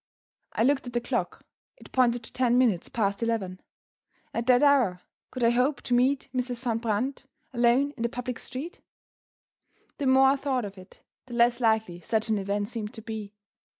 I looked at the clock; it pointed to ten minutes past eleven. At that hour, could I hope to meet Mrs. Van Brandt alone in the public street? The more I thought of it, the less likely such an event seemed to be.